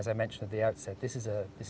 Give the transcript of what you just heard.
seperti yang saya katakan pada awal